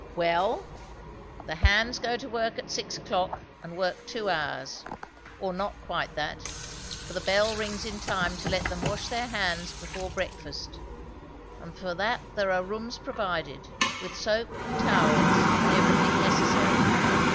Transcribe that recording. "Well the hands go to work at six o'clock, and work two hours; or not quite that, for the bell rings in time to let them wash their hands before breakfast; and for that there are rooms provided, with soap and towels and everything necessary.